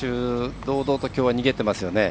堂々ときょうは逃げてますよね。